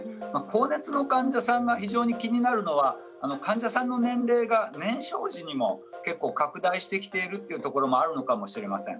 高熱の患者さんが非常に気になるのは患者さんの年齢が年少児にも結構拡大してきているというところもあるかもしれません。